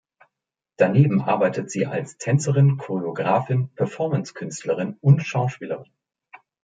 Daneben arbeitet sie als Tänzerin, Choreografin, Performance-Künstlerin und Schauspielerin.